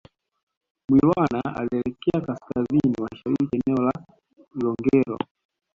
Mwilwana alielekea kaskazini mashariki eneo la Ilongero